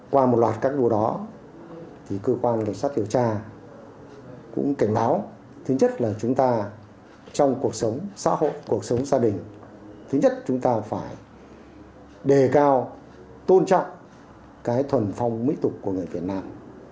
qua một loạt các đua đó thì cơ quan cảnh sát điều tra cũng cảnh báo thứ nhất là chúng ta trong cuộc sống xã hội cuộc sống gia đình thứ nhất chúng ta phải đề cao tôn trọng cái thuần phong mỹ tục của người việt nam